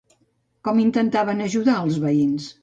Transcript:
Com intentaven ajudar, els veïns?